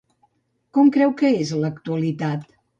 Com creu que és l'actualitat?